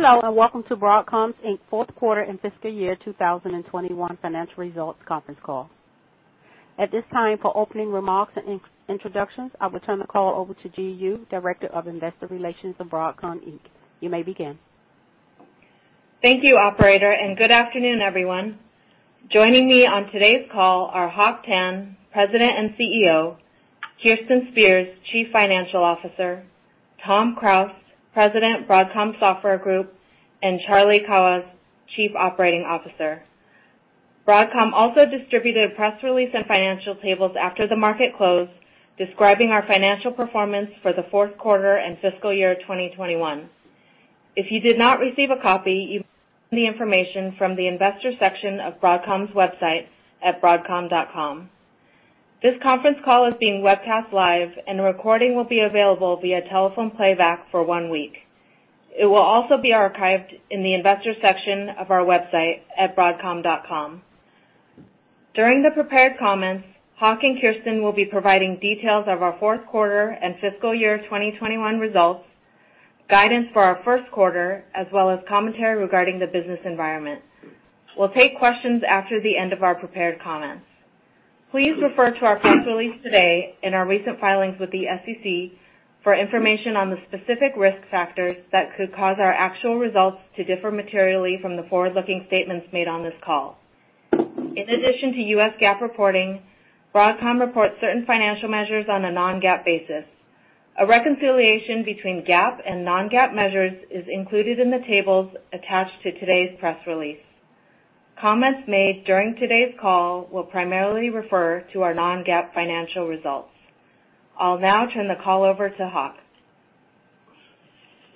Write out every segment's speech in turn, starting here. Hello, and welcome to Broadcom Inc.'s fourth quarter and fiscal year 2021 financial results conference call. At this time, for opening remarks and introductions, I'll turn the call over to Ji Yoo, Director of Investor Relations of Broadcom Inc. You may begin. Thank you, operator, and good afternoon, everyone. Joining me on today's call are Hock Tan, President and CEO, Kirsten Spears, Chief Financial Officer, Tom Krause, President, Broadcom Software Group, and Charlie Kawwas, Chief Operating Officer. Broadcom also distributed a press release and financial tables after the market closed describing our financial performance for the fourth quarter and fiscal year 2021. If you did not receive a copy, you can get the information from the investor section of Broadcom's website at broadcom.com. This conference call is being webcast live, and a recording will be available via telephone playback for one week. It will also be archived in the investor section of our website at broadcom.com. During the prepared comments, Hock and Kirsten will be providing details of our fourth quarter and fiscal year 2021 results, guidance for our first quarter, as well as commentary regarding the business environment. We'll take questions after the end of our prepared comments. Please refer to our press release today and our recent filings with the SEC for information on the specific risk factors that could cause our actual results to differ materially from the forward-looking statements made on this call. In addition to U.S. GAAP reporting, Broadcom reports certain financial measures on a non-GAAP basis. A reconciliation between GAAP and non-GAAP measures is included in the tables attached to today's press release. Comments made during today's call will primarily refer to our non-GAAP financial results. I'll now turn the call over to Hock.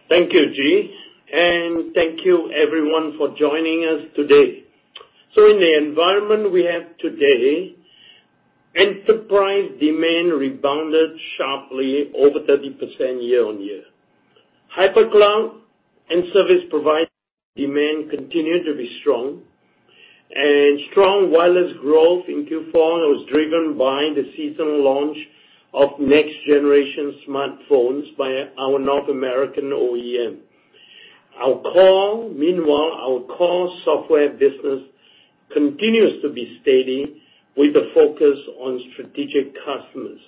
Thank you, Ji, and thank you everyone for joining us today. In the environment we have today, enterprise demand rebounded sharply over 30% year-over-year. Hyperscale cloud and service provider demand continued to be strong, and strong wireless growth in Q4 was driven by the seasonal launch of next-generation smartphones by our North American OEM. Meanwhile, our core software business continues to be steady with a focus on strategic customers.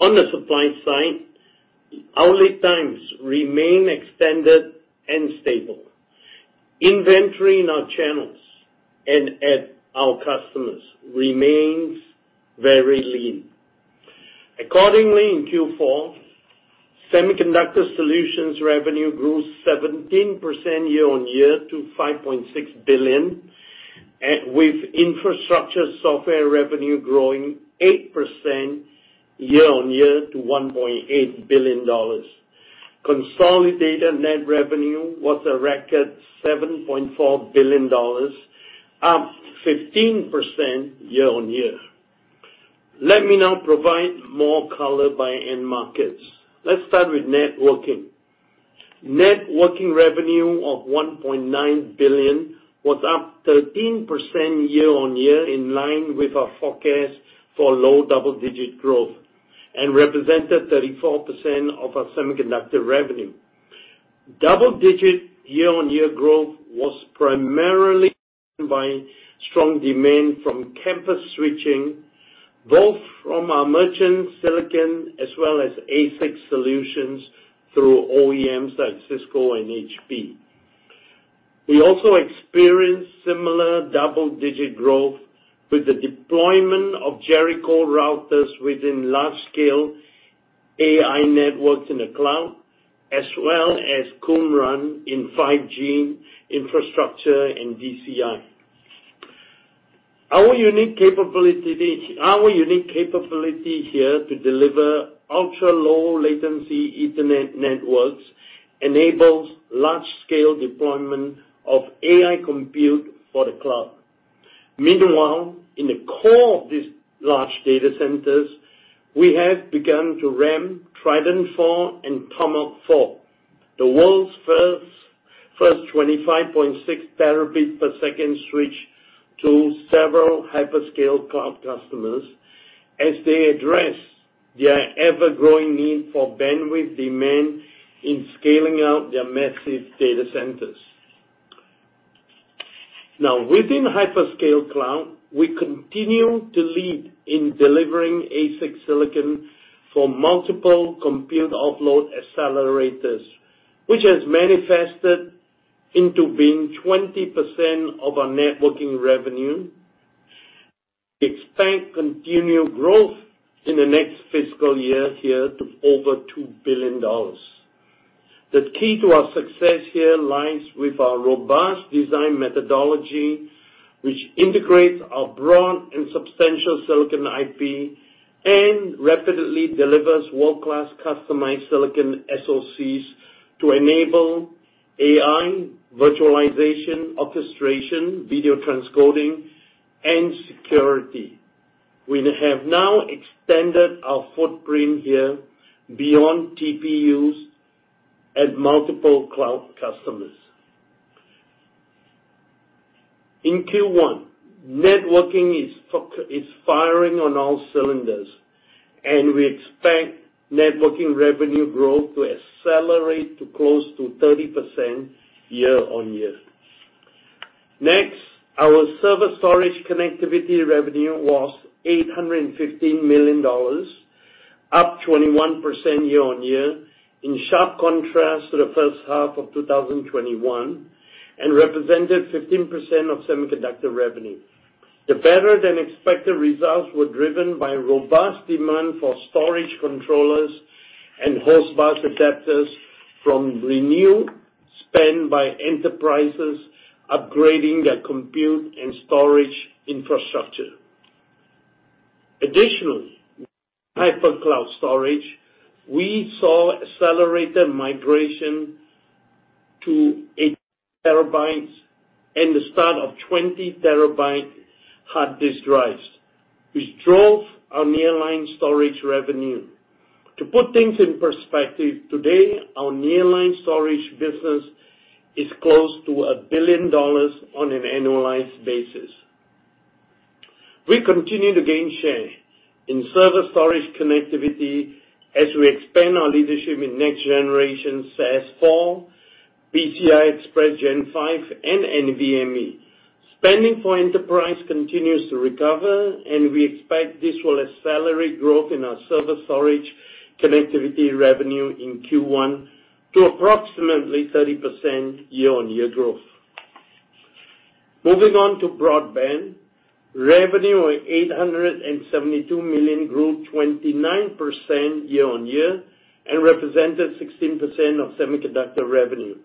On the supply side, our lead times remain extended and stable. Inventory in our channels and at our customers remains very lean. Accordingly, in Q4, Semiconductor Solutions revenue grew 17% year-over-year to $5.6 billion, and Infrastructure Software revenue growing 8% year-over-year to $1.8 billion. Consolidated net revenue was a record $7.4 billion, up 15% year-over-year. Let me now provide more color by end markets. Let's start with networking. Networking revenue of $1.9 billion was up 13% year-on-year in line with our forecast for low double-digit growth and represented 34% of our semiconductor revenue. Double-digit year-on-year growth was primarily by strong demand from campus switching, both from our merchant silicon as well as ASIC solutions through OEMs like Cisco and HP. We also experienced similar double-digit growth with the deployment of Jericho routers within large-scale AI networks in the cloud, as well as Qumran in 5G infrastructure and DCI. Our unique capability here to deliver ultra-low latency Ethernet networks enables large-scale deployment of AI compute for the cloud. Meanwhile, in the core of these large data centers, we have begun to ramp Trident4 and Tomahawk 4, the world's first 25.6 terabit per second switch to several hyperscale cloud customers as they address their ever-growing need for bandwidth demand in scaling out their massive data centers. Now, within hyperscale cloud, we continue to lead in delivering ASIC silicon for multiple compute offload accelerators, which has manifested into being 20% of our networking revenue. We expect continued growth in the next fiscal year here to over $2 billion. The key to our success here lies with our robust design methodology, which integrates our broad and substantial silicon IP and rapidly delivers world-class customized silicon SoCs to enable AI, virtualization, orchestration, video transcoding, and security. We have now extended our footprint here beyond TPUs at multiple cloud customers. In Q1, networking is firing on all cylinders, and we expect networking revenue growth to accelerate to close to 30% year-on-year. Next, our server storage connectivity revenue was $815 million, up 21% year-on-year, in sharp contrast to the first half of 2021, and represented 15% of semiconductor revenue. The better than expected results were driven by robust demand for storage controllers and host bus adapters from renewed spend by enterprises upgrading their compute and storage infrastructure. Additionally, in hyperscale cloud storage, we saw accelerated migration to 8 terabytes and the start of 20-terabyte hard disk drives, which drove our nearline storage revenue. To put things in perspective, today, our nearline storage business is close to $1 billion on an annualized basis. We continue to gain share in server storage connectivity as we expand our leadership in next generation SAS-4, PCIe Gen 5 and NVMe. Spending for enterprise continues to recover and we expect this will accelerate growth in our server storage connectivity revenue in Q1 to approximately 30% year-on-year growth. Moving on to broadband, revenue of $872 million grew 29% year-on-year and represented 16% of semiconductor revenue.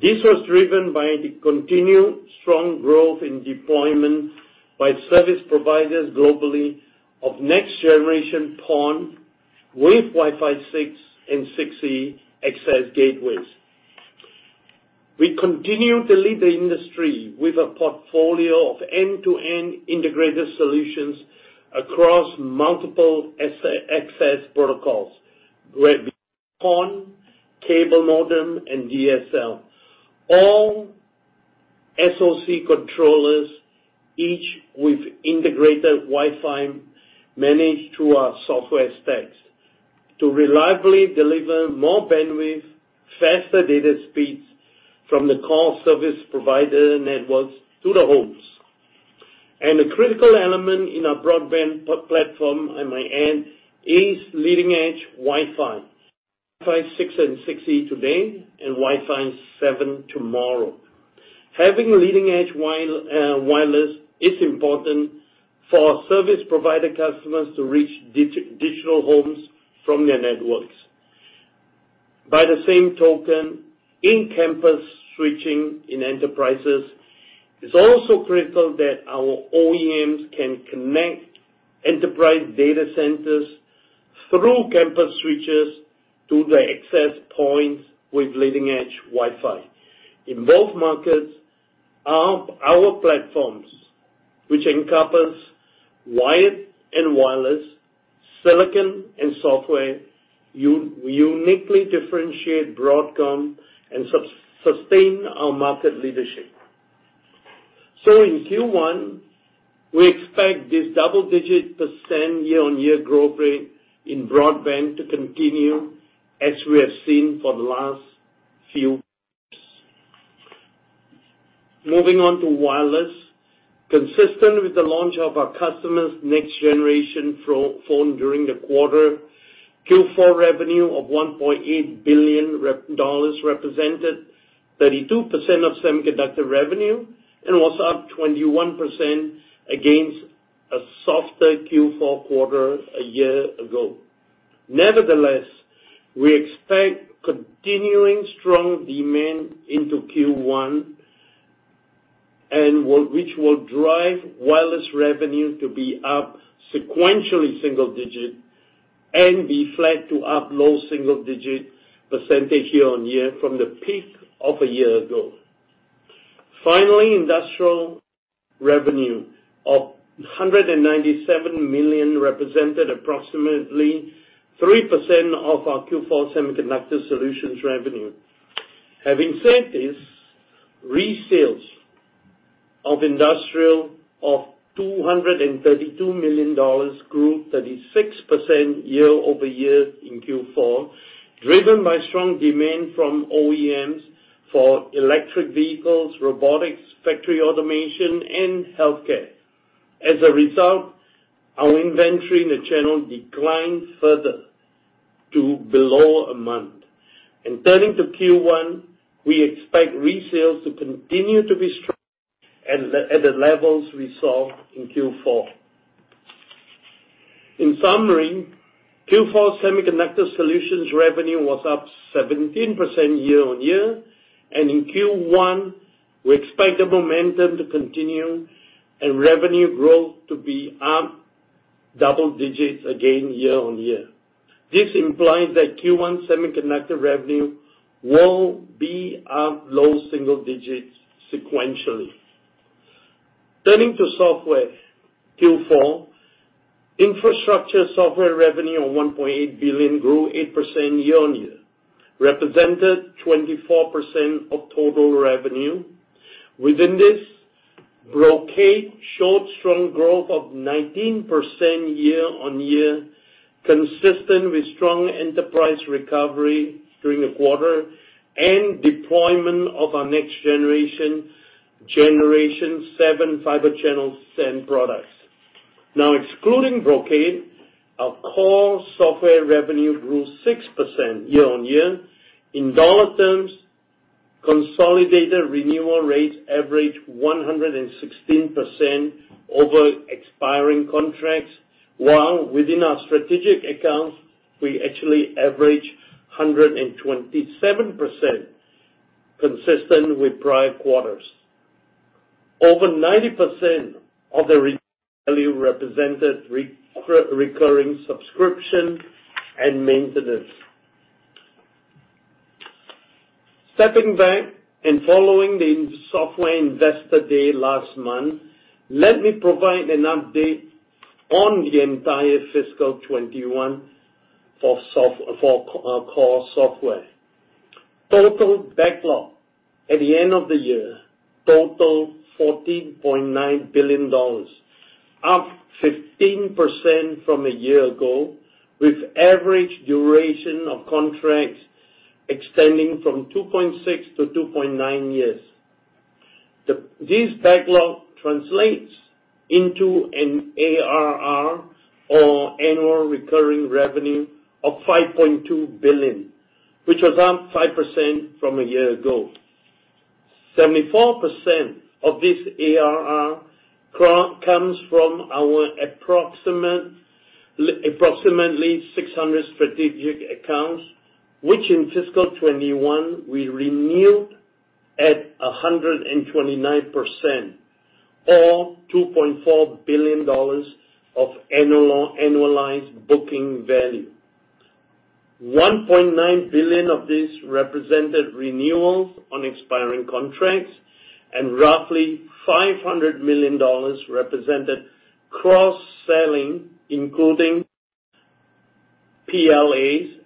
This was driven by the continued strong growth in deployment by service providers globally of next generation PON with Wi-Fi 6 and Wi-Fi 6E access gateways. We continue to lead the industry with a portfolio of end-to-end integrated solutions across multiple access protocols, whether it be PON, cable modem and DSL. All SoC controllers, each with integrated Wi-Fi managed through our software specs to reliably deliver more bandwidth, faster data speeds from the core service provider networks to the homes. A critical element in our broadband platform, I might add, is leading edge Wi-Fi. Wi-Fi 6 and Wi-Fi 6E today and Wi-Fi 7 tomorrow. Having leading edge wireless is important for our service provider customers to reach digital homes from their networks. By the same token, in campus switching in enterprises, it's also critical that our OEMs can connect enterprise data centers through campus switches to the access points with leading edge Wi-Fi. In both markets, our platforms, which encompass wired and wireless, silicon and software, uniquely differentiate Broadcom and sustain our market leadership. In Q1, we expect this double-digit % year-on-year growth rate in broadband to continue as we have seen for the last few years. Moving on to wireless. Consistent with the launch of our customers' next generation smartphone during the quarter, Q4 revenue of $1.8 billion represented 32% of semiconductor revenue and was up 21% against a softer Q4 a year ago. Nevertheless, we expect continuing strong demand into Q1, which will drive wireless revenue to be up sequentially single-digit and be flat to up low single-digit % year-on-year from the peak of a year ago. Finally, industrial revenue of $197 million represented approximately 3% of our Q4 Semiconductor Solutions revenue. Having said this, resales of industrial of $232 million grew 36% year-over-year in Q4, driven by strong demand from OEMs for electric vehicles, robotics, factory automation and healthcare. As a result, our inventory in the channel declined further to below a month. Turning to Q1, we expect resales to continue to be strong at the levels we saw in Q4. In summary, Q4 Semiconductor Solutions revenue was up 17% year-on-year, and in Q1 we expect the momentum to continue and revenue growth to be up double digits again year-on-year. This implies that Q1 semiconductor revenue will be up low single digits sequentially. Turning to software. Q4 Infrastructure software revenue of $1.8 billion grew 8% year-on-year, represented 24% of total revenue. Within this, Brocade showed strong growth of 19% year-on-year, consistent with strong enterprise recovery during the quarter and deployment of our next generation, Gen 7 Fibre Channel SAN products. Now excluding Brocade, our core software revenue grew 6% year-on-year. In dollar terms, consolidated renewal rates averaged 116% over expiring contracts, while within our strategic accounts, we actually averaged 127% consistent with prior quarters. Over 90% of the value represented recurring subscription and maintenance. Stepping back and following the software investor day last month, let me provide an update on the entire fiscal 2021 for core software. Total backlog at the end of the year totaled $14.9 billion, up 15% from a year ago, with average duration of contracts extending from 2.6 to 2.9 years. This backlog translates into an ARR or annual recurring revenue of $5.2 billion, which was up 5% from a year ago. 74% of this ARR comes from our approximately 600 strategic accounts, which in fiscal 2021 we renewed at 129% or $2.4 billion of annualized booking value. $1.9 billion of this represented renewals on expiring contracts and roughly $500 million represented cross-selling, including PLAs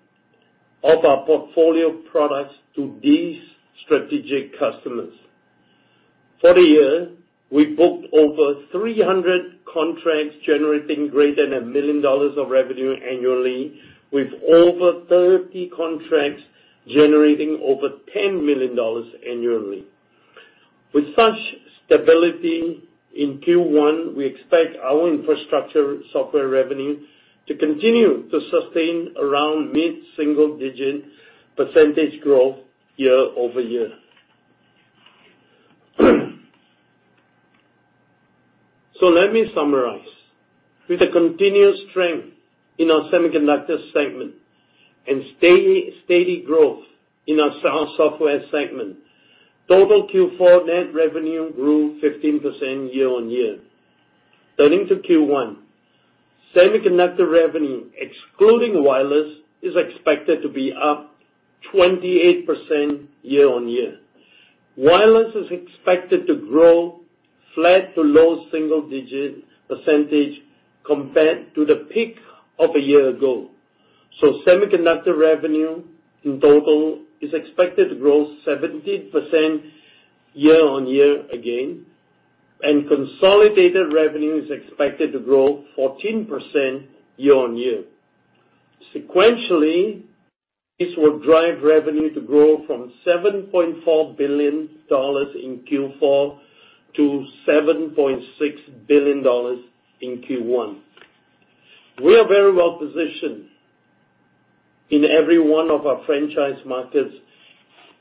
of our portfolio products to these strategic customers. For the year, we booked over 300 contracts generating greater than $1 million of revenue annually with over 30 contracts generating over $10 million annually. With such stability in Q1, we expect our infrastructure software revenue to continue to sustain around mid-single-digit percentage growth year-over-year. Let me summarize. With the continued strength in our Semiconductor segment and steady growth in our software segment, total Q4 net revenue grew 15% year-on-year. Turning to Q1, semiconductor revenue, excluding wireless, is expected to be up 28% year-on-year. Wireless is expected to grow flat to low single-digit percentage compared to the peak of a year ago. Semiconductor revenue in total is expected to grow 17% year-on-year again, and consolidated revenue is expected to grow 14% year-on-year. Sequentially, this will drive revenue to grow from $7.4 billion in Q4 to $7.6 billion in Q1. We are very well positioned in every one of our franchise markets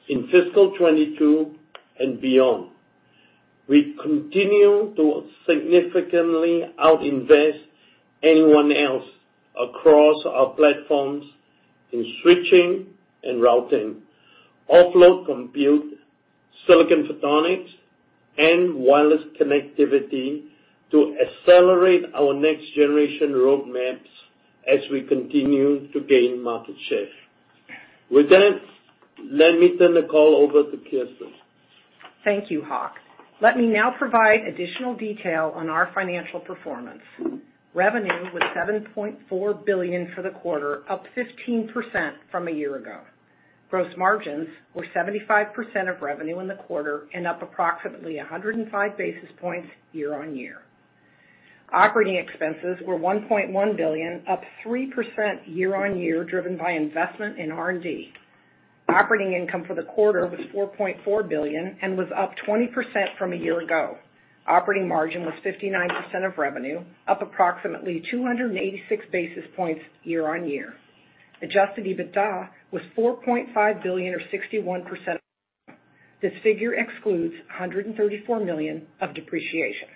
in fiscal 2022 and beyond. We continue to significantly out-invest anyone else across our platforms in switching and routing, offload compute, silicon photonics and wireless connectivity to accelerate our next generation roadmaps as we continue to gain market share. With that, let me turn the call over to Kirsten. Thank you, Hock. Let me now provide additional detail on our financial performance. Revenue was $7.4 billion for the quarter, up 15% from a year ago. Gross margins were 75% of revenue in the quarter and up approximately 105 basis points year-on-year. Operating expenses were $1.1 billion, up 3% year-on-year, driven by investment in R&D. Operating income for the quarter was $4.4 billion and was up 20% from a year ago. Operating margin was 59% of revenue, up approximately 286 basis points year-on-year. Adjusted EBITDA was $4.5 billion or 61%. This figure excludes $134 million of depreciation.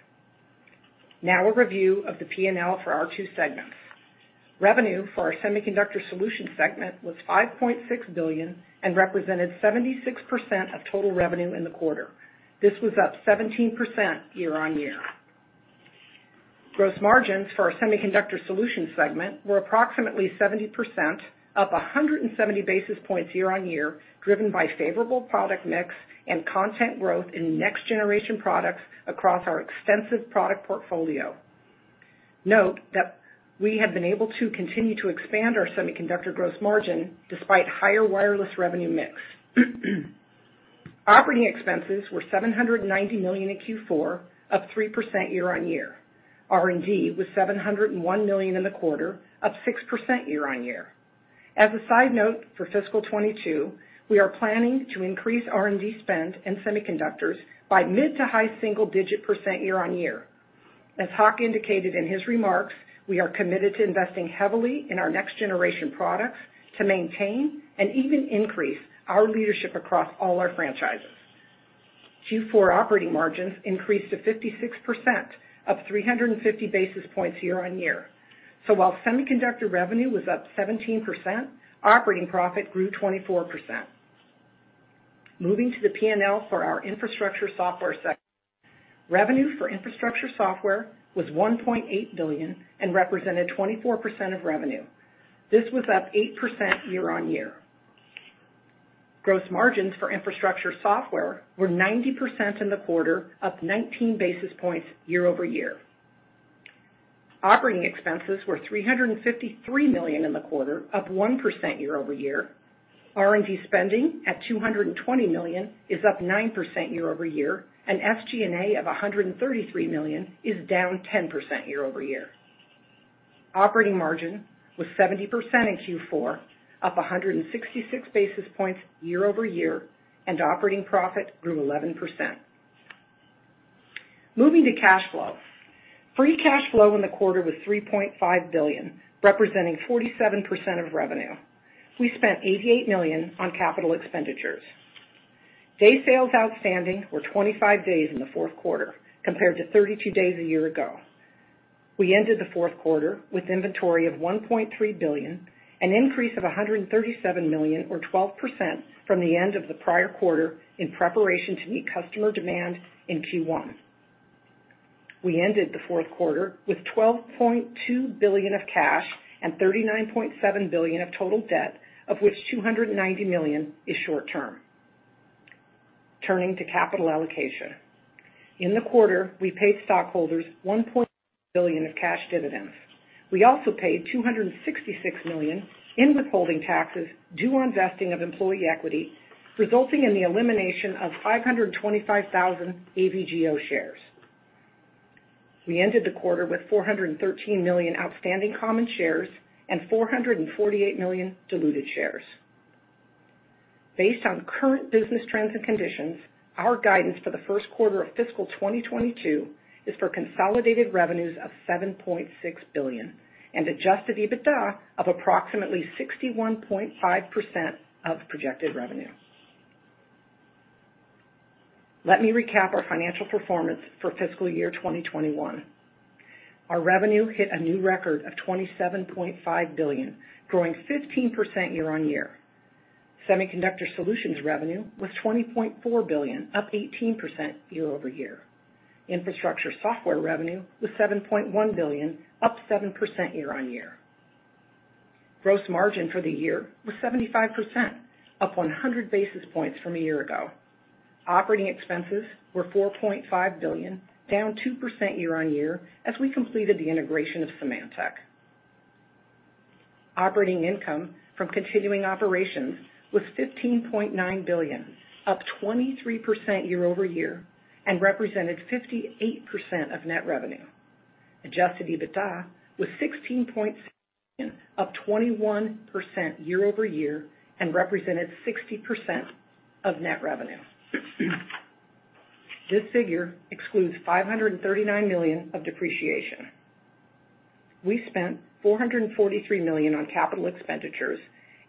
Now a review of the P&L for our two segments. Revenue for our Semiconductor Solutions segment was $5.6 billion and represented 76% of total revenue in the quarter. This was up 17% year-on-year. Gross margins for our Semiconductor Solutions segment were approximately 70%, up 170 basis points year-on-year, driven by favorable product mix and content growth in next-generation products across our extensive product portfolio. Note that we have been able to continue to expand our semiconductor gross margin despite higher wireless revenue mix. Operating expenses were $790 million in Q4, up 3% year-on-year. R&D was $701 million in the quarter, up 6% year-on-year. As a side note, for fiscal 2022, we are planning to increase R&D spend in semiconductors by mid- to high-single-digit percent year-on-year. As Hock indicated in his remarks, we are committed to investing heavily in our next-generation products to maintain and even increase our leadership across all our franchises. Q4 operating margins increased to 56%, up 350 basis points year-over-year. While semiconductor revenue was up 17%, operating profit grew 24%. Moving to the P&L for our infrastructure software sector. Revenue for infrastructure software was $1.8 billion and represented 24% of revenue. This was up 8% year-over-year. Gross margins for infrastructure software were 90% in the quarter, up 19 basis points year-over-year. Operating expenses were $353 million in the quarter, up 1% year-over-year. R&D spending at $220 million is up 9% year-over-year, and SG&A of $133 million is down 10% year-over-year. Operating margin was 70% in Q4, up 166 basis points year-over-year, and operating profit grew 11%. Moving to cash flow. Free cash flow in the quarter was $3.5 billion, representing 47% of revenue. We spent $88 million on capital expenditures. Day sales outstanding were 25 days in the fourth quarter compared to 32 days a year ago. We ended the fourth quarter with inventory of $1.3 billion, an increase of $137 million or 12% from the end of the prior quarter in preparation to meet customer demand in Q1. We ended the fourth quarter with $12.2 billion of cash and $39.7 billion of total debt, of which $290 million is short-term. Turning to capital allocation. In the quarter, we paid stockholders $1 billion of cash dividends. We also paid $266 million in withholding taxes due on vesting of employee equity, resulting in the elimination of 525,000 AVGO shares. We ended the quarter with 413 million outstanding common shares and 448 million diluted shares. Based on current business trends and conditions, our guidance for the first quarter of fiscal 2022 is for consolidated revenues of $7.6 billion and adjusted EBITDA of approximately 61.5% of the projected revenue. Let me recap our financial performance for fiscal year 2021. Our revenue hit a new record of $27.5 billion, growing 15% year-over-year. Semiconductor Solutions revenue was $20.4 billion, up 18% year-over-year. Infrastructure Software revenue was $7.1 billion, up 7% year-over-year. Gross margin for the year was 75%, up 100 basis points from a year ago. Operating expenses were $4.5 billion, down 2% year-over-year as we completed the integration of Symantec. Operating income from continuing operations was $15.9 billion, up 23% year-over-year, and represented 58% of net revenue. Adjusted EBITDA was $16.6 billion, up 21% year-over-year and represented 60% of net revenue. This figure excludes $539 million of depreciation. We spent $443 million on capital expenditures,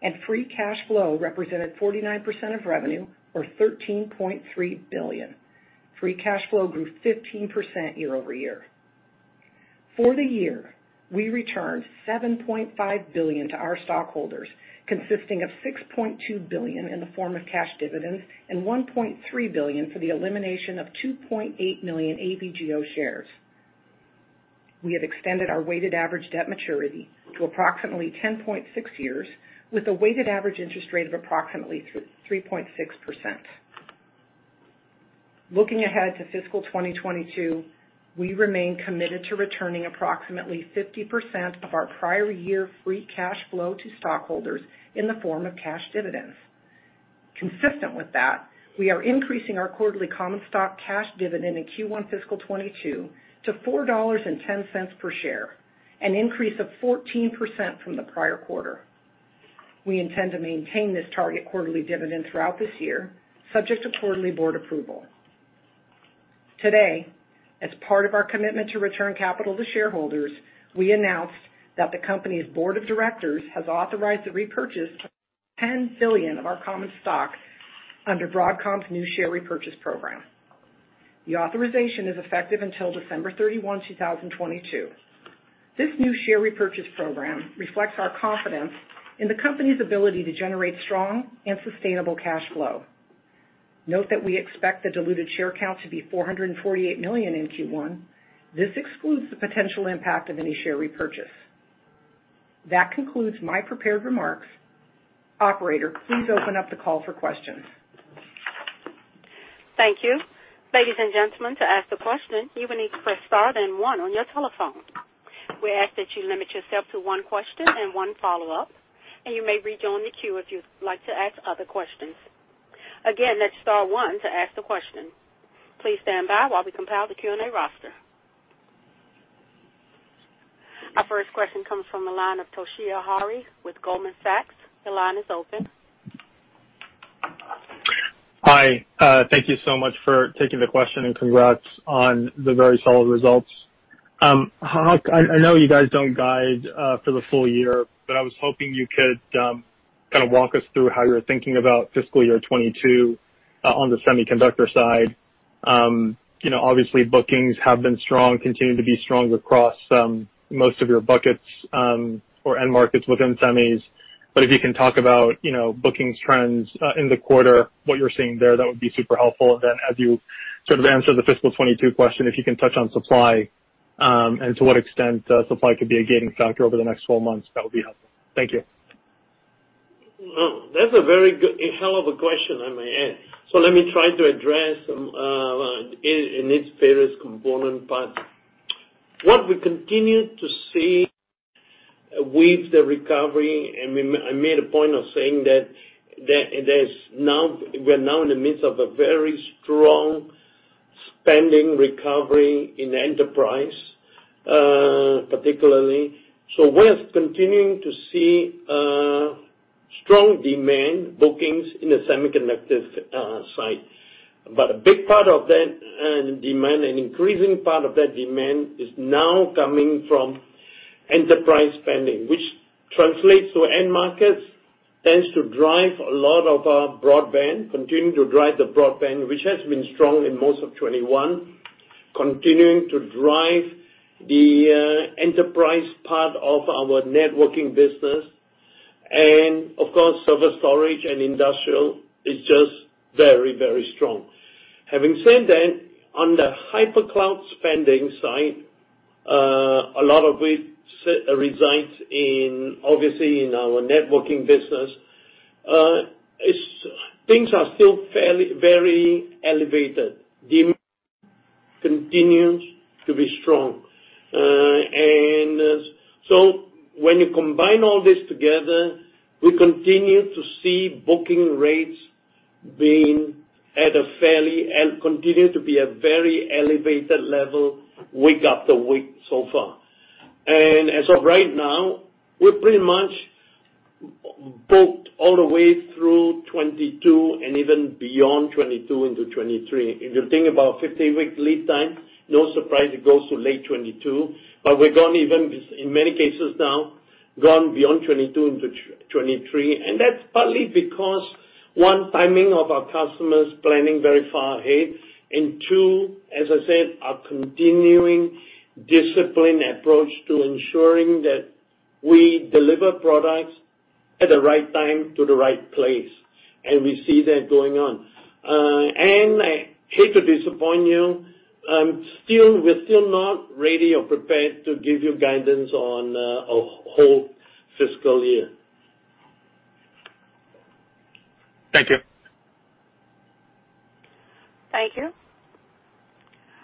and free cash flow represented 49% of revenue or $13.3 billion. Free cash flow grew 15% year-over-year. For the year, we returned $7.5 billion to our stockholders, consisting of $6.2 billion in the form of cash dividends and $1.3 billion for the elimination of 2.8 million AVGO shares. We have extended our weighted average debt maturity to approximately 10.6 years with a weighted average interest rate of approximately three point six percent. Looking ahead to fiscal 2022, we remain committed to returning approximately 50% of our prior year free cash flow to stockholders in the form of cash dividends. Consistent with that, we are increasing our quarterly common stock cash dividend in Q1 fiscal 2022 to $4.10 per share, an increase of 14% from the prior quarter. We intend to maintain this target quarterly dividend throughout this year, subject to quarterly board approval. Today, as part of our commitment to return capital to shareholders, we announced that the company's board of directors has authorized the repurchase of up to $10 billion of our common stock under Broadcom's new share repurchase program. The authorization is effective until December 31, 2022. This new share repurchase program reflects our confidence in the company's ability to generate strong and sustainable cash flow. Note that we expect the diluted share count to be 448 million in Q1. This excludes the potential impact of any share repurchase. That concludes my prepared remarks. Operator, please open up the call for questions. Thank you. Ladies and gentlemen, to ask a question, you will need to press Star then One on your telephone. We ask that you limit yourself to one question and one follow-up, and you may rejoin the queue if you'd like to ask other questions. Again, that's star one to ask the question. Please stand by while we compile the Q&A roster. Our first question comes from the line of Toshiya Hari with Goldman Sachs. Your line is open. Hi, thank you so much for taking the question and congrats on the very solid results. Hock, I know you guys don't guide for the full year, but I was hoping you could kind of walk us through how you're thinking about fiscal year 2022 on the semiconductor side. You know, obviously bookings have been strong, continue to be strong across most of your buckets or end markets within semis. But if you can talk about, you know, bookings trends in the quarter, what you're seeing there, that would be super helpful. As you sort of answer the fiscal 2022 question, if you can touch on supply and to what extent supply could be a gating factor over the next twelve months, that would be helpful. Thank you. Well, that's a very good, a hell of a question, I may add. Let me try to address in its various component parts. What we continue to see with the recovery. I made a point of saying that we're now in the midst of a very strong spending recovery in enterprise, particularly. We're continuing to see strong demand bookings in the semiconductor side. But a big part of that demand, an increasing part of that demand is now coming from enterprise spending, which translates to end markets, tends to drive a lot of broadband, continuing to drive the broadband, which has been strong in most of 2021, continuing to drive the enterprise part of our networking business. Of course, server, storage, and industrial is just very, very strong. Having said that, on the hypercloud spending side, a lot of it resides in, obviously, in our networking business. Things are still fairly, very elevated. Demand continues to be strong. When you combine all this together, we continue to see booking rates being at a fairly and continue to be a very elevated level week after week so far. As of right now, we're pretty much booked all the way through 2022 and even beyond 2022 into 2023. If you think about 50-week lead time, no surprise it goes to late 2022, but we've gone even, in many cases now, beyond 2022 into 2023. That's partly because, one, timing of our customers planning very far ahead, and two, as I said, our continuing disciplined approach to ensuring that we deliver products at the right time to the right place. We see that going on. I hate to disappoint you, we're still not ready or prepared to give you guidance on a whole fiscal year. Thank you. Thank you.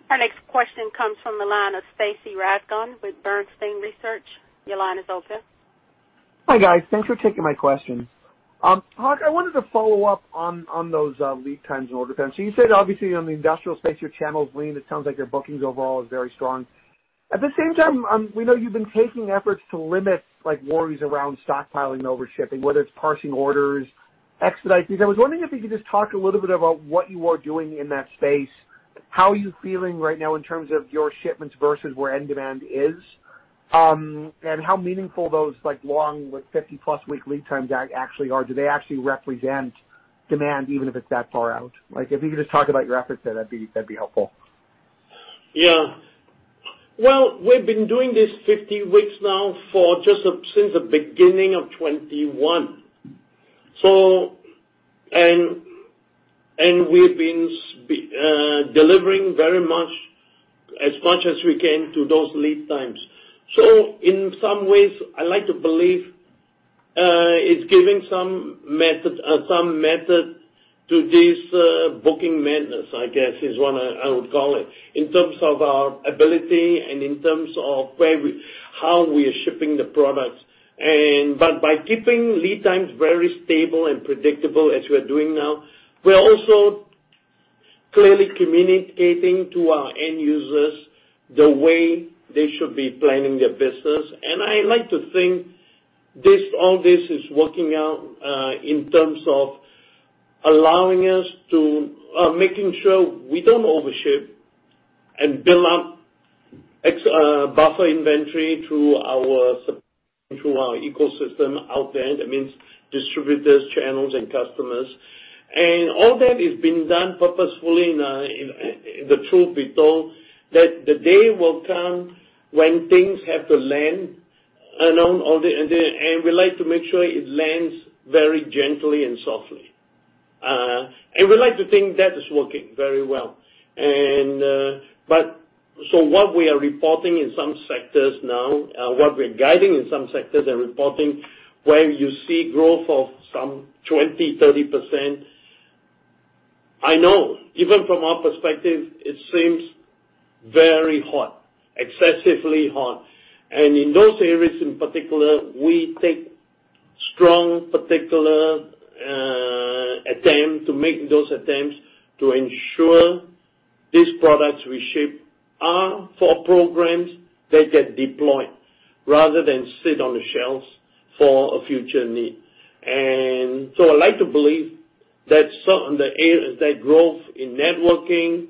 Our next question comes from the line of Stacy Rasgon with Bernstein Research. Your line is open. Hi, guys. Thanks for taking my question. Hock, I wanted to follow up on those lead times and order times. You said obviously on the industrial space, your channel is lean. It sounds like your bookings overall is very strong. At the same time, we know you've been taking efforts to limit, like, worries around stockpiling over shipping, whether it's parsing orders, expediting. I was wondering if you could just talk a little bit about what you are doing in that space. How are you feeling right now in terms of your shipments versus where end demand is? How meaningful those like long with 50-plus week lead times actually are? Do they actually represent demand even if it's that far out? Like, if you could just talk about your efforts there, that'd be helpful. Yeah. Well, we've been doing this 50 weeks now for just since the beginning of 2021. We've been delivering as much as we can to those lead times. In some ways, I like to believe it's giving some method to this booking madness, I guess, is what I would call it, in terms of our ability and in terms of how we are shipping the products. By keeping lead times very stable and predictable as we are doing now, we're also clearly communicating to our end users the way they should be planning their business. I like to think this, all this is working out, in terms of allowing us to, making sure we don't overship and build up excess buffer inventory through our ecosystem out there. That means distributors, channels, and customers. All that is being done purposefully now, truth be told, the day will come when things have to land, and we like to make sure it lands very gently and softly. We like to think that is working very well. What we are reporting in some sectors now, what we're guiding in some sectors and reporting where you see growth of some 20, 30%, I know even from our perspective, it seems very hot, excessively hot. In those areas in particular, we take strong attempt to make those attempts to ensure these products we ship are for programs that get deployed rather than sit on the shelves for a future need. I like to believe that growth in networking,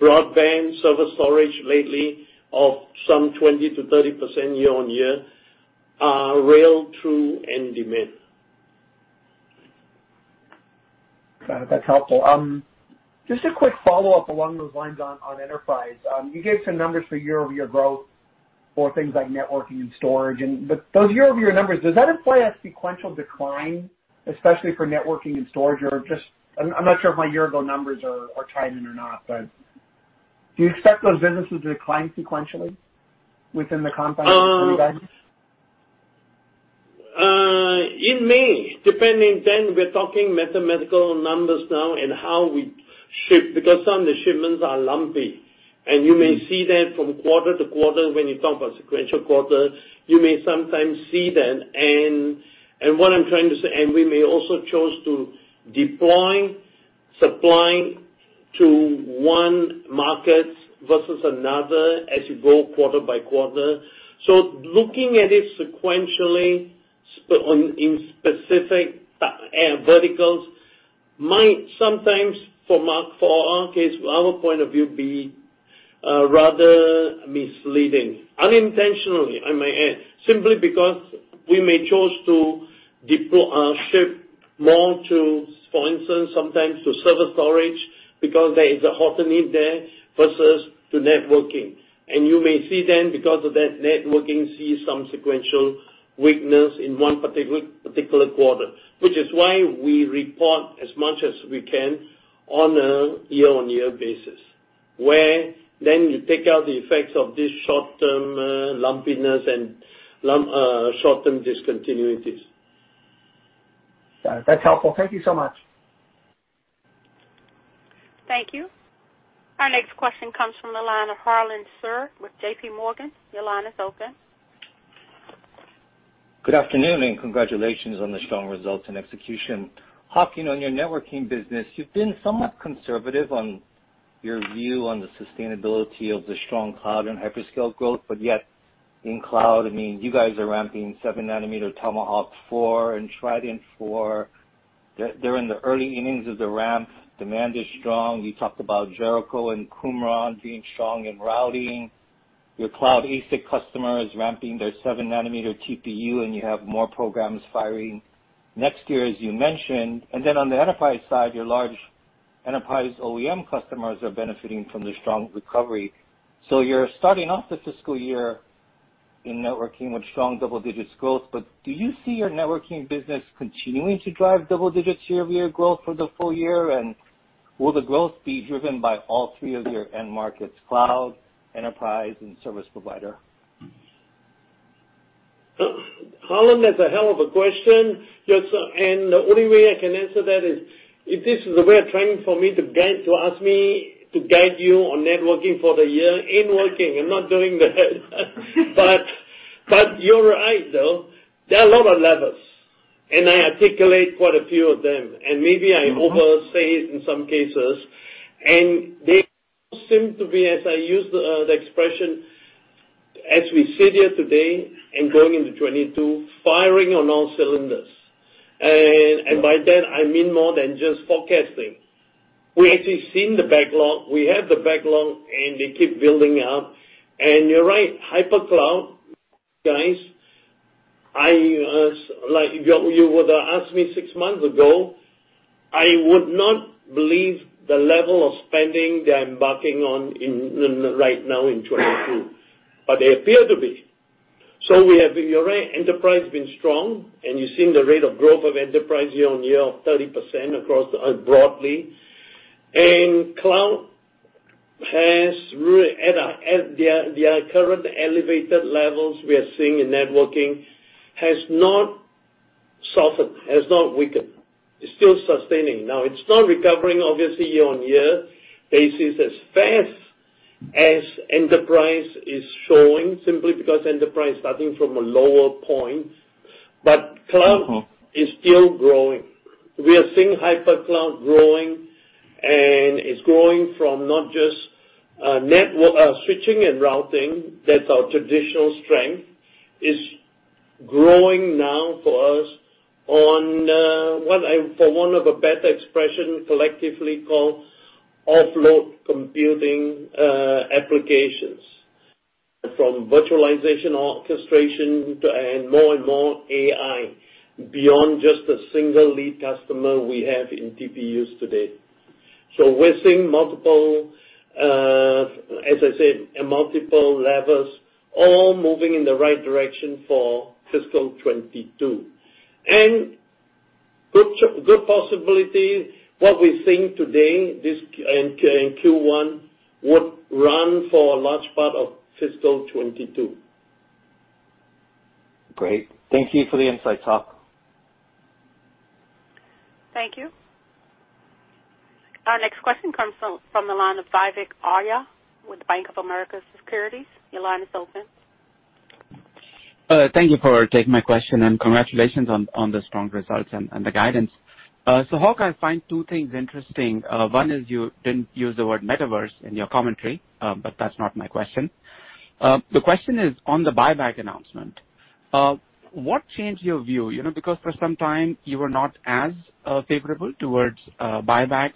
broadband, server storage lately of some 20%-30% year-over-year are real, true demand. Got it. That's helpful. Just a quick follow-up along those lines on enterprise. You gave some numbers for year-over-year growth for things like networking and storage, but those year-over-year numbers, does that imply a sequential decline, especially for networking and storage, or just I'm not sure if my year-ago numbers are tied in or not, but do you expect those businesses to decline sequentially within the compound for you guys? It may, depending then, we're talking mathematical numbers now and how we ship, because some of the shipments are lumpy, and you may see that from quarter to quarter when you talk about sequential quarter, you may sometimes see that. What I'm trying to say, we may also choose to deploy, supplying to one market versus another as you go quarter by quarter. Looking at it sequentially in specific verticals might sometimes, for our case, our point of view, be rather misleading. Unintentionally, I may add, simply because we may choose to deploy, ship more to, for instance, sometimes to server storage because there is a hotter need there versus to networking. You may see then because of that, networking see some sequential weakness in one particular quarter, which is why we report as much as we can on a year-on-year basis, where then you take out the effects of this short-term lumpiness and short-term discontinuities. Got it. That's helpful. Thank you so much. Thank you. Our next question comes from the line of Harlan Sur with JPMorgan. Your line is open. Good afternoon, and congratulations on the strong results and execution. Hock, you know, your networking business, you've been somewhat conservative on your view on the sustainability of the strong cloud and hyperscale growth, but yet in cloud, I mean, you guys are ramping 7 nm Tomahawk 4 and Trident4. They're in the early innings of the ramp. Demand is strong. We talked about Jericho and Qumran being strong and routing. Your cloud ASIC customer is ramping their 7 nm TPU, and you have more programs firing next year as you mentioned. Then on the enterprise side, your large enterprise OEM customers are benefiting from the strong recovery. You're starting off the fiscal year in networking with strong double-digit growth, but do you see your networking business continuing to drive double digits year-over-year growth for the full year? Will the growth be driven by all three of your end markets, cloud, enterprise, and service provider? Harlan, that's a hell of a question. Just, the only way I can answer that is if this is a way of trying for me to guide, to ask me to guide you on networking for the year, ain't working. I'm not doing that. You're right though. There are a lot of levers, and I articulate quite a few of them, and maybe I overstate in some cases. They seem to be, as I use the expression as we sit here today and going into 2022, firing on all cylinders. By that I mean more than just forecasting. We actually seen the backlog, we have the backlog, and they keep building up. You're right, hyperscalers guys. Like you would ask me six months ago, I would not believe the level of spending they're embarking on right now in 2022. They appear to be. We have, you're right, enterprise been strong, and you've seen the rate of growth of enterprise year-over-year of 30% across broadly. Cloud has really at the current elevated levels we are seeing in networking has not softened, has not weakened. It's still sustaining. Now, it's not recovering obviously year-over-year basis as fast as enterprise is showing simply because enterprise starting from a lower point. Cloud is still growing. We are seeing hyperscalers growing, and it's growing from not just switching and routing, that's our traditional strength. It's growing now for us on, for want of a better expression, collectively called offload computing, applications from virtualization, orchestration to, and more and more AI beyond just the single lead customer we have in TPUs today. We're seeing multiple, as I said, levers all moving in the right direction for fiscal 2022. Good possibility what we think today, this in Q1 would run for a large part of fiscal 2022. Great. Thank you for the insight, Hock. Thank you. Our next question comes from the line of Vivek Arya with Bank of America Securities. Your line is open. Thank you for taking my question, and congratulations on the strong results and the guidance. So Hock, I find two things interesting. One is you didn't use the word metaverse in your commentary, but that's not my question. The question is on the buyback announcement. What changed your view? You know, because for some time you were not as favorable towards buybacks.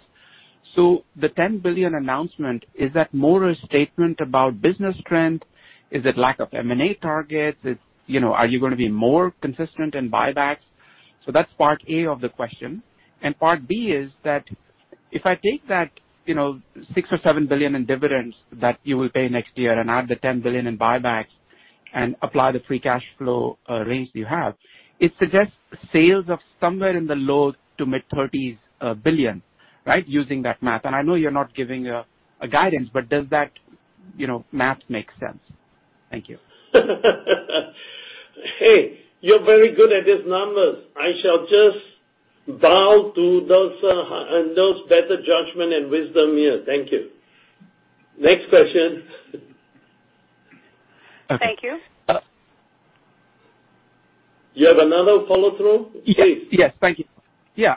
The $10 billion announcement, is that more a statement about business trend? Is it lack of M&A targets? You know, are you gonna be more consistent in buybacks? That's part A of the question. Part B is that if I take that, you know, $6 billion or $7 billion in dividends that you will pay next year and add the $10 billion in buybacks and apply the free cash flow range that you have, it suggests sales of somewhere in the low- to mid-30s billion, right? Using that math. I know you're not giving a guidance, but does that, you know, math make sense? Thank you. Hey, you're very good at these numbers. I shall just bow to those better judgment and wisdom here. Thank you. Next question. Thank you. You have another follow-up? Please. Yes. Thank you. Yeah,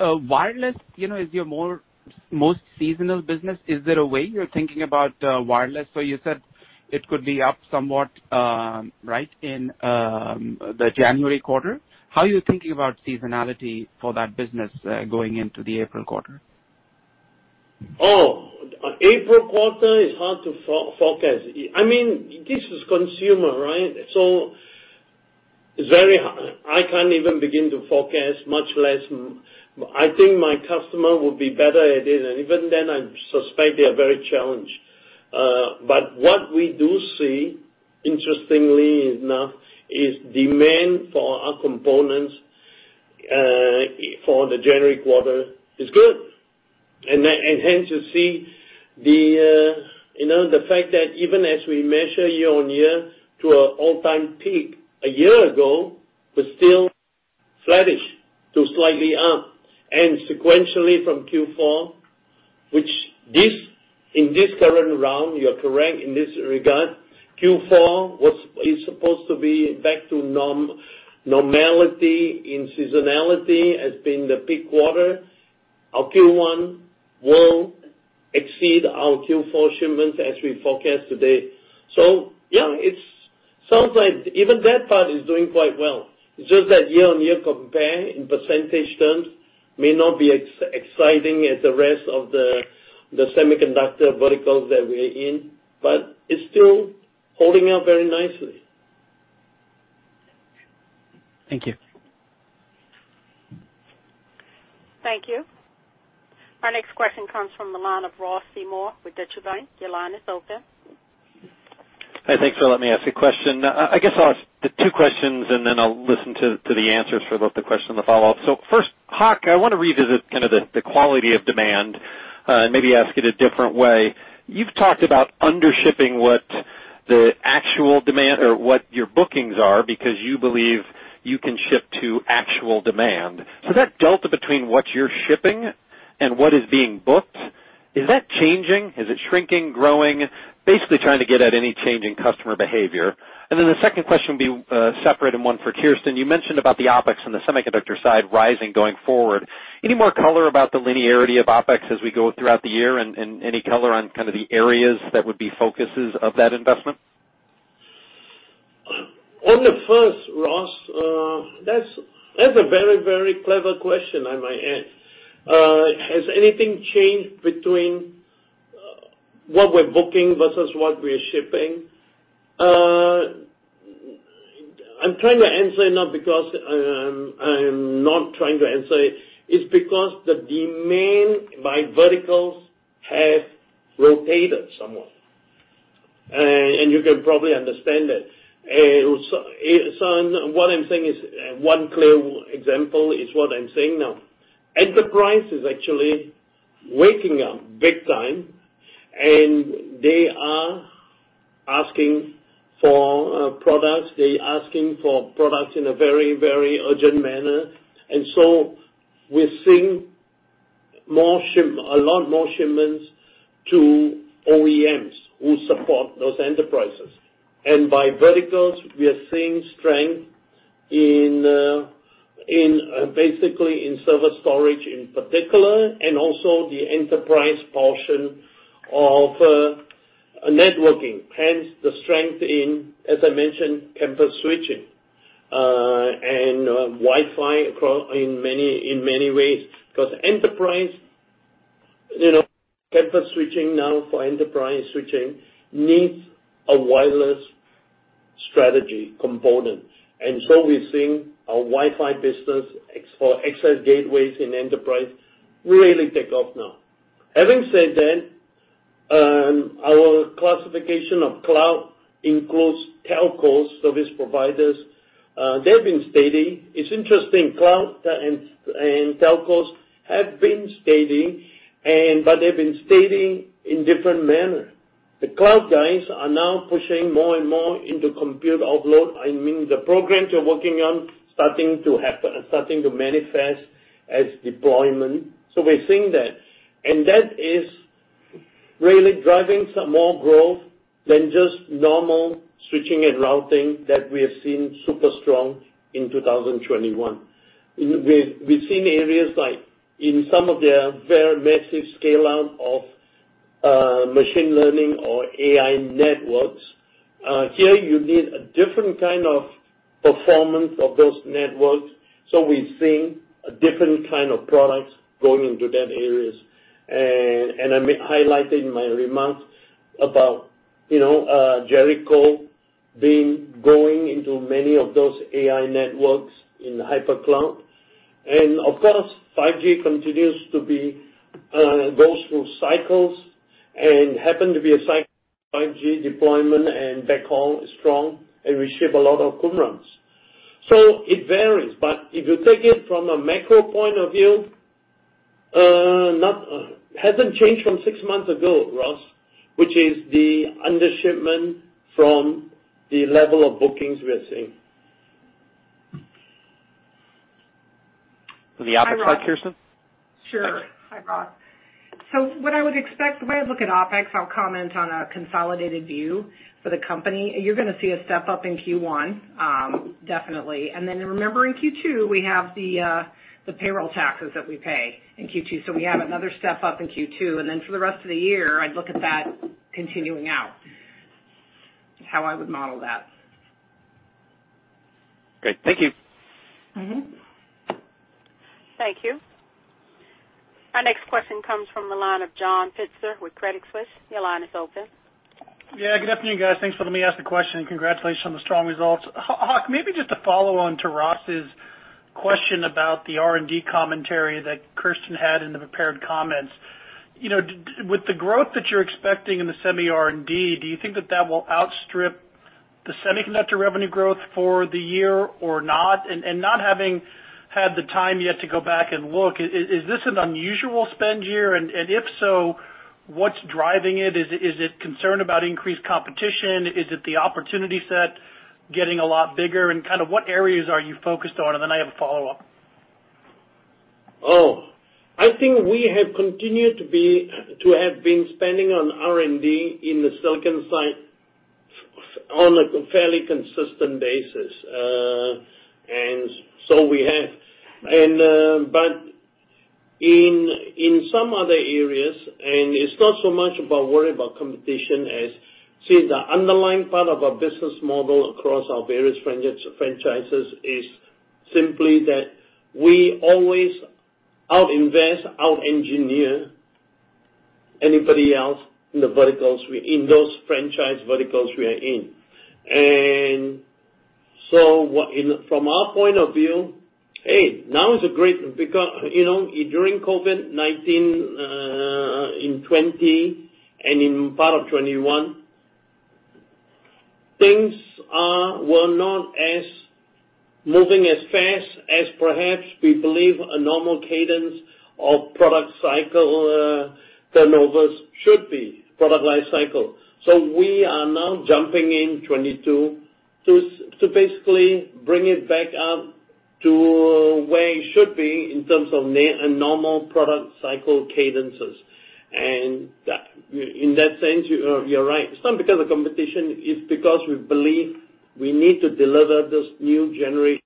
wireless, you know, is your most seasonal business. Is there a way you're thinking about wireless? You said it could be up somewhat, right, in the January quarter. How are you thinking about seasonality for that business going into the April quarter? Oh, April quarter is hard to focus. I mean, this is consumer, right? It's very hard. I can't even begin to forecast, much less. I think my customer will be better at it. Even then, I suspect they are very challenged. What we do see, interestingly enough, is demand for our components for the January quarter is good. Hence you see the, you know, the fact that even as we measure year-on-year to an all-time peak a year ago, we're still flattish to slightly up. Sequentially from Q4, which, in this current round, you're correct in this regard, Q4 is supposed to be back to normality in seasonality as being the peak quarter. Our Q1 will exceed our Q4 shipments as we forecast today. Yeah, it sounds like even that part is doing quite well. It's just that year-on-year comparison in percentage terms may not be exciting as the rest of the semiconductor verticals that we're in, but it's still holding up very nicely. Thank you. Thank you. Our next question comes from the line of Ross Seymore with Deutsche Bank. Your line is open. Hi, thanks for letting me ask a question. I guess I'll ask the two questions and then I'll listen to the answers for both the question and the follow-up. First, Hock, I wanna revisit kind of the quality of demand, and maybe ask it a different way. You've talked about under-shipping what the actual demand or what your bookings are because you believe you can ship to actual demand. That delta between what you're shipping and what is being booked, is that changing? Is it shrinking, growing? Basically trying to get at any change in customer behavior. Then the second question would be, separate and one for Kirsten. You mentioned about the OpEx on the semiconductor side rising going forward. Any more color about the linearity of OpEx as we go throughout the year and any color on kind of the areas that would be focuses of that investment? On the first, Ross, that's a very clever question, I might add. Has anything changed between what we're booking versus what we're shipping? I'm trying to answer, not because, I'm not trying to answer it's because the demand by verticals has rotated somewhat. You can probably understand that. What I'm saying is one clear example is what I'm saying now. Enterprise is actually waking up big time, and they are asking for products. They're asking for products in a very urgent manner. We're seeing a lot more shipments to OEMs who support those enterprises. By verticals, we are seeing strength in basically in server storage in particular, and also the enterprise portion of networking. Hence the strength in, as I mentioned, campus switching and Wi-Fi across in many ways. 'Cause enterprise, you know, campus switching now for enterprise switching needs a wireless strategy component. We're seeing our Wi-Fi business except for access gateways in enterprise really take off now. Having said that. Our classification of cloud includes telcos, service providers. They've been steady. It's interesting, cloud and telcos have been steady, but they've been steady in different manner. The cloud guys are now pushing more and more into compute offload. I mean, the programs you're working on starting to happen, starting to manifest as deployment. We're seeing that, and that is really driving some more growth than just normal switching and routing that we have seen super strong in 2021. We've seen areas like in some of their very massive scale-out of machine learning or AI networks. Here you need a different kind of performance of those networks. We've seen a different kind of products going into those areas. I highlighted in my remarks about, you know, Jericho being going into many of those AI networks in hyperscale. Of course, 5G goes through cycles and happen to be a cycle 5G deployment and backhaul is strong, and we ship a lot of Qumrans. It varies. If you take it from a macro point of view, it hasn't changed from six months ago, Ross, which is the under-shipment from the level of bookings we're seeing. The OpEx side, Kirsten? Sure. Hi, Ross. What I would expect, the way I look at OpEx, I'll comment on a consolidated view for the company. You're gonna see a step-up in Q1, definitely. Then remember, in Q2, we have the payroll taxes that we pay in Q2. We have another step-up in Q2. Then for the rest of the year, I'd look at that continuing out, how I would model that. Great. Thank you. Mm-hmm. Thank you. Our next question comes from the line of John Pitzer with Credit Suisse. Your line is open. Yeah, good afternoon, guys. Thanks for letting me ask the question, and congratulations on the strong results. Hock, maybe just to follow on to Ross's question about the R&D commentary that Kirsten had in the prepared comments. You know, with the growth that you're expecting in the semi R&D, do you think that will outstrip the semiconductor revenue growth for the year or not? Not having had the time yet to go back and look, is this an unusual spend year? If so, what's driving it? Is it concern about increased competition? Is it the opportunity set getting a lot bigger? Kinda what areas are you focused on? Then I have a follow-up. Oh, I think we have continued to have been spending on R&D in the silicon side on a fairly consistent basis. We have. But in some other areas, it's not so much about worry about competition as, see, the underlying part of our business model across our various franchises is simply that we always out-invest, out-engineer anybody else in the verticals we're in, those franchise verticals we are in. From our point of view, hey, now is a great because, you know, during COVID-19, in 2020 and in part of 2021, things were not as moving as fast as perhaps we believe a normal cadence of product cycle turnovers should be, product life cycle. We are now jumping in 2022 to basically bring it back up to where it should be in terms of a normal product cycle cadences. That, in that sense, you're right. It's not because of competition, it's because we believe we need to deliver this new generation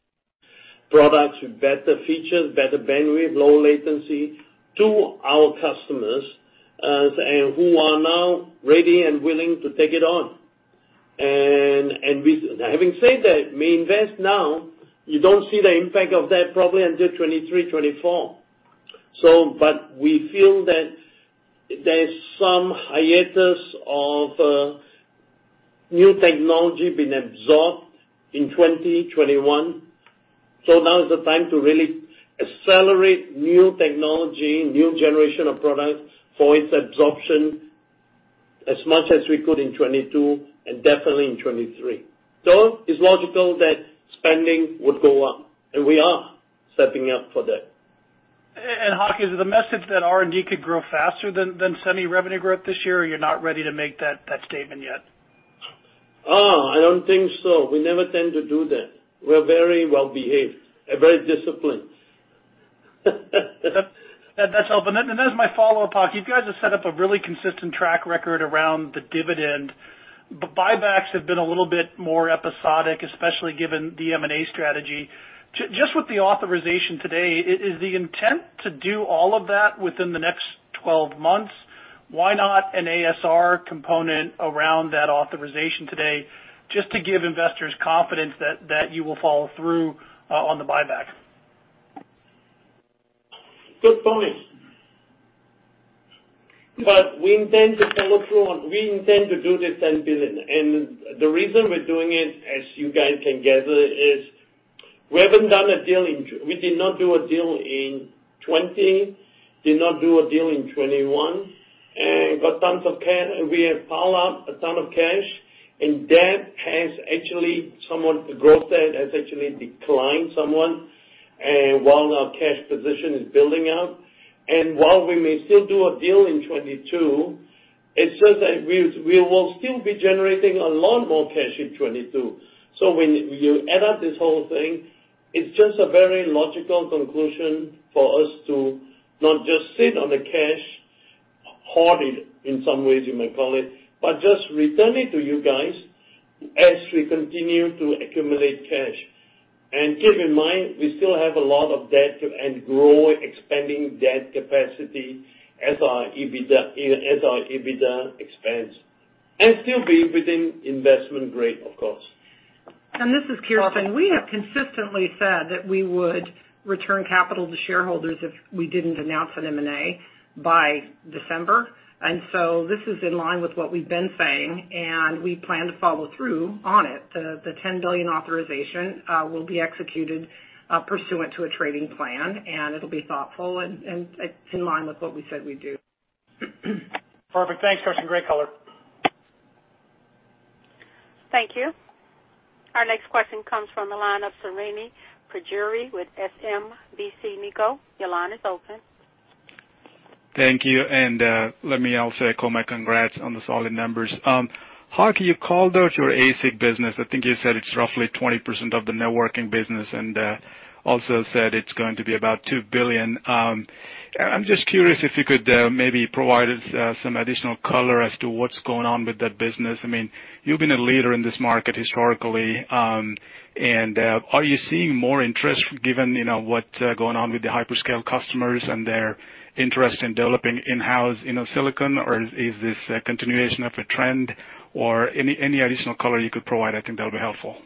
products with better features, better bandwidth, low latency to our customers, and who are now ready and willing to take it on. Having said that, we invest now, you don't see the impact of that probably until 2023, 2024. But we feel that there's some hiatus of new technology being absorbed in 2021. Now is the time to really accelerate new technology, new generation of products for its absorption as much as we could in 2022 and definitely in 2023. It's logical that spending would go up, and we are setting up for that. Hock, is it the message that R&D could grow faster than semi-revenue growth this year, or you're not ready to make that statement yet? Oh, I don't think so. We never tend to do that. We're very well behaved and very disciplined. That, that's helpful. As my follow-up, Hock, you guys have set up a really consistent track record around the dividend. Buybacks have been a little bit more episodic, especially given the M&A strategy. Just with the authorization today, is the intent to do all of that within the next 12 months? Why not an ASR component around that authorization today, just to give investors confidence that you will follow through on the buyback? Good point. We intend to do this $10 billion. The reason we're doing it, as you guys can gather, is we did not do a deal in 2020, did not do a deal in 2021, and got tons of cash. We have piled up a ton of cash, and the growth debt has actually declined somewhat, and while our cash position is building up, and while we may still do a deal in 2022, it's just that we will still be generating a lot more cash in 2022. When you add up this whole thing, it's just a very logical conclusion for us to not just sit on the cash, hoard it, in some ways you may call it, but just return it to you guys as we continue to accumulate cash. Keep in mind, we still have a lot of debt too and growing, expanding debt capacity as our EBITDA expands, and still be within investment grade, of course. This is Kirsten. We have consistently said that we would return capital to shareholders if we didn't announce an M&A by December. This is in line with what we've been saying, and we plan to follow through on it. The $10 billion authorization will be executed pursuant to a trading plan, and it'll be thoughtful and it's in line with what we said we'd do. Perfect. Thanks, Kirsten. Great color. Thank you. Our next question comes from the line of Srini Pajjuri with SMBC Nikko. Your line is open. Thank you. Let me also echo my congrats on the solid numbers. Hock, you called out your ASIC business. I think you said it's roughly 20% of the networking business and also said it's going to be about $2 billion. I'm just curious if you could maybe provide us some additional color as to what's going on with that business. I mean, you've been a leader in this market historically, and are you seeing more interest given, you know, what's going on with the hyperscale customers and their interest in developing in-house, you know, silicon? Or is this a continuation of a trend? Or any additional color you could provide, I think that'll be helpful.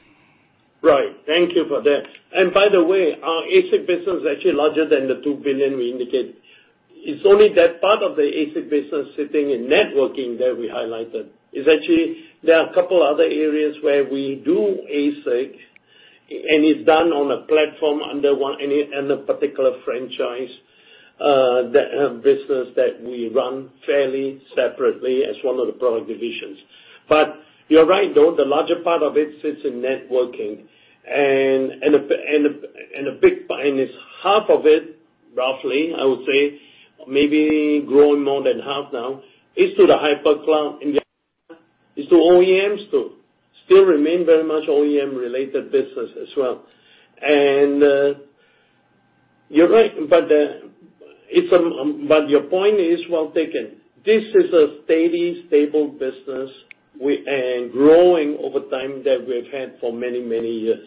Right. Thank you for that. By the way, our ASIC business is actually larger than the $2 billion we indicate. It's only that part of the ASIC business sitting in networking that we highlighted. It's actually there are a couple other areas where we do ASIC, and it's done in a particular franchise that have business that we run fairly separately as one of the product divisions. You're right, though, the larger part of it sits in networking. A big part is half of it, roughly, I would say, maybe growing more than half now, is to the hyperscale cloud and is to OEMs too. It still remains very much OEM-related business as well. You're right, but your point is well taken. This is a steady, stable business and growing over time that we've had for many, many years.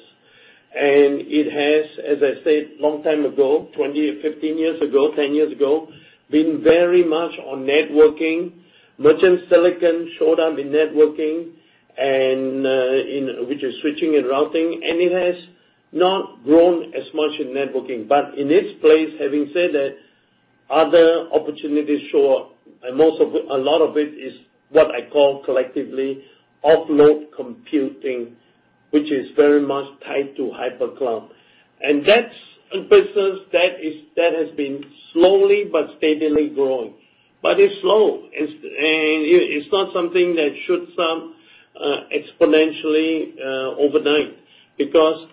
It has, as I said long time ago, 20, 15 years ago, 10 years ago, been very much on networking. Merchant Silicon showed up in networking and which is switching and routing, and it has not grown as much in networking. In its place, having said that, other opportunities show up, and most of it, a lot of it is what I call collectively offload computing, which is very much tied to HyperCloud. That's a business that has been slowly but steadily growing. It's slow. It's, and it's not something that should come exponentially overnight. Because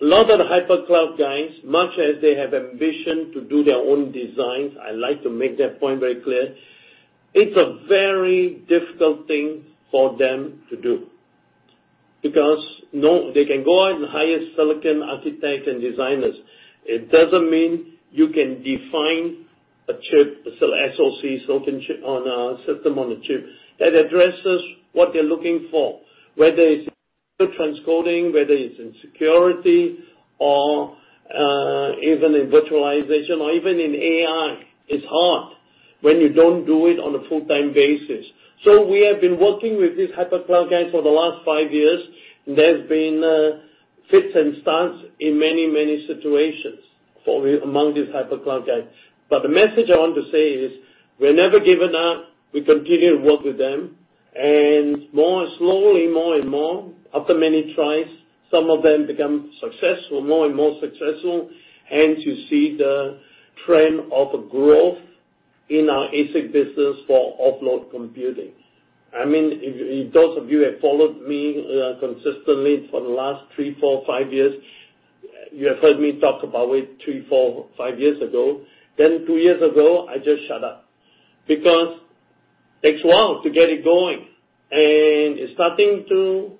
a lot of the hyperscalers, much as they have ambition to do their own designs, I like to make that point very clear, it's a very difficult thing for them to do. Because they can go out and hire silicon architects and designers. It doesn't mean you can define a chip, a SoC, silicon chip, on a system on a chip, that addresses what they're looking for, whether it's transcoding, whether it's in security or even in virtualization or even in AI. It's hard when you don't do it on a full-time basis. We have been working with these hyperscalers for the last five years. There's been fits and starts in many, many situations among these hyperscalers. The message I want to say is, we're never giving up. We continue to work with them. More slowly, more and more, after many tries, some of them become successful, more and more successful. You see the trend of growth in our ASIC business for offload computing. I mean, if those of you have followed me consistently for the last three, four, five years, you have heard me talk about it hree, four, five years ago. Two years ago, I just shut up because it takes a while to get it going. It's starting to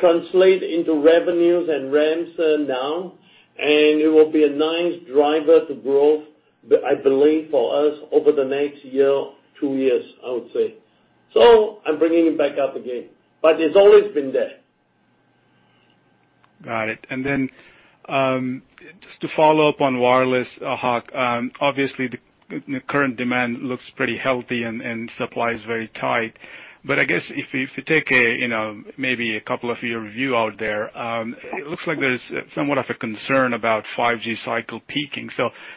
translate into revenues and ramps now, and it will be a nice driver to growth, I believe, for us over the next year, two years, I would say. I'm bringing it back up again, but it's always been there. Got it. Just to follow up on wireless, Hock, obviously the current demand looks pretty healthy and supply is very tight. I guess if you take a couple years out there, you know, it looks like there's somewhat of a concern about 5G cycle peaking.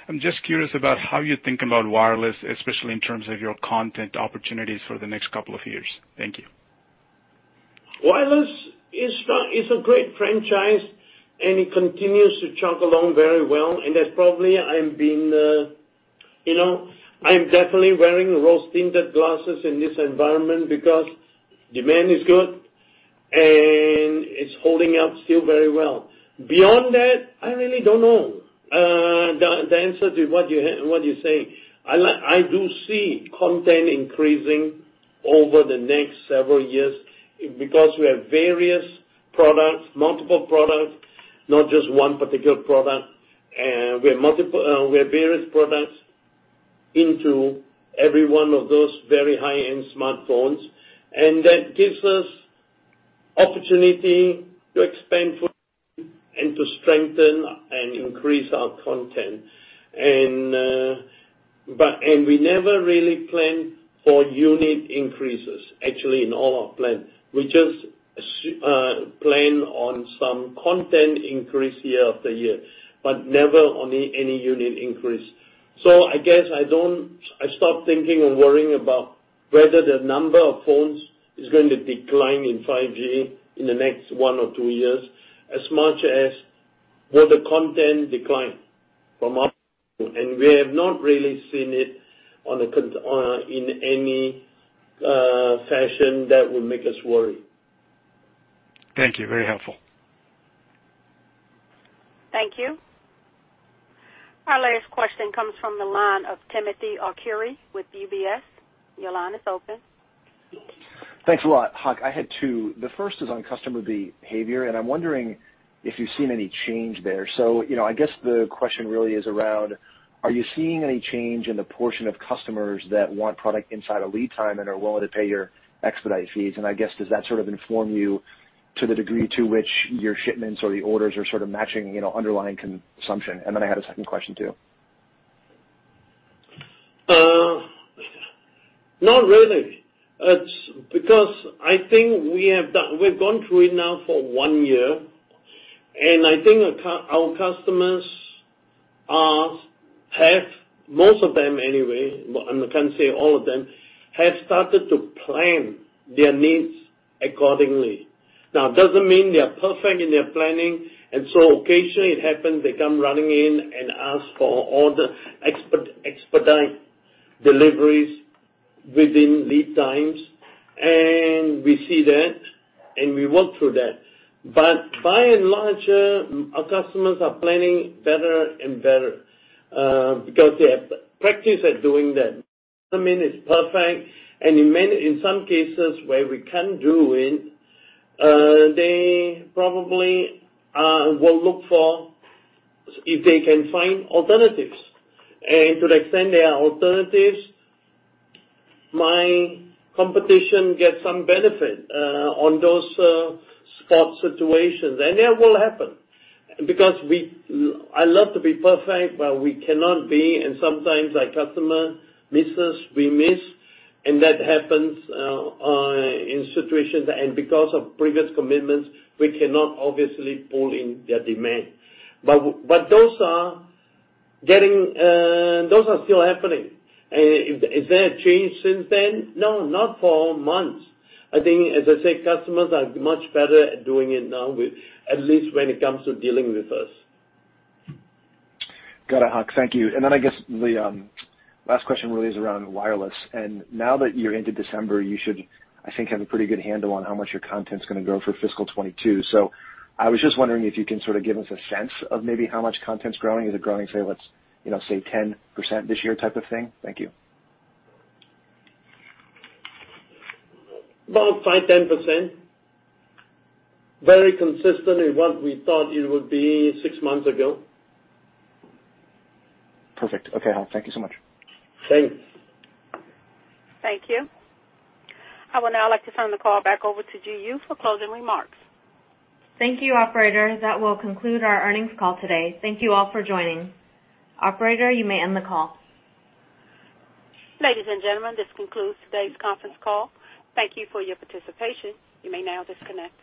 I'm just curious about how you think about wireless, especially in terms of your content opportunities for the next couple of years. Thank you. Wireless is a great franchise, and it continues to chug along very well. That's probably I'm being, you know, I'm definitely wearing rose-tinted glasses in this environment because demand is good and it's holding up still very well. Beyond that, I really don't know the answer to what you're saying. I do see content increasing over the next several years because we have various products, multiple products, not just one particular product. We have various products into every one of those very high-end smartphones, and that gives us opportunity to expand and to strengthen and increase our content. We never really plan for unit increases, actually, in all our plans. We just plan on some content increase year after year, but never on any unit increase. I guess I don't. I stopped thinking and worrying about whether the number of phones is going to decline in 5G in the next one or two years, as much as will the content decline from our. We have not really seen it in any fashion that would make us worry. Thank you. Very helpful. Thank you. Our last question comes from the line of Timothy Arcuri with UBS. Your line is open. Thanks a lot. Hock, I had two. The first is on customer behavior, and I'm wondering if you've seen any change there. You know, I guess the question really is around, are you seeing any change in the portion of customers that want product inside of lead time and are willing to pay your expedite fees? I guess, does that sort of inform you to the degree to which your shipments or the orders are sort of matching, you know, underlying consumption? Then I had a second question, too. Not really. It's because I think we have gone through it now for one year, and I think our customers have, most of them anyway, but I can't say all of them, started to plan their needs accordingly. Now, it doesn't mean they are perfect in their planning, so occasionally it happens they come running in and ask for all the expedite deliveries within lead times. We see that, and we work through that. By and large, our customers are planning better and better, because they have practiced at doing that. Doesn't mean it's perfect, and in some cases where we can't do it, they probably will look for if they can find alternatives. To the extent there are alternatives, my competition gets some benefit on those spot situations. That will happen because I love to be perfect, but we cannot be, and sometimes our customer misses, we miss, and that happens in situations. Because of previous commitments, we cannot obviously pull in their demand. But those are still happening. Is there a change since then? No, not for months. I think, as I said, customers are much better at doing it now, at least when it comes to dealing with us. Got it, Hock. Thank you. Then I guess the last question really is around wireless. Now that you're into December, you should, I think, have a pretty good handle on how much your content's gonna grow for fiscal 2022. I was just wondering if you can sort of give us a sense of maybe how much content's growing. Is it growing, say, let's, you know, say, 10% this year type of thing? Thank you. About 5%-10%. Very consistent in what we thought it would be 6 months ago. Perfect. Okay, Hock. Thank you so much. Thanks. Thank you. I would now like to turn the call back over to Ji Yoo for closing remarks. Thank you, operator. That will conclude our earnings call today. Thank you all for joining. Operator, you may end the call. Ladies and gentlemen, this concludes today's conference call. Thank you for your participation. You may now disconnect.